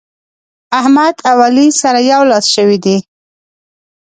احمد او علي سره يو لاس شوي دي.